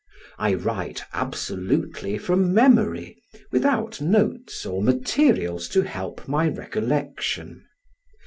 I write absolutely from memory, without notes or materials to help my recollection.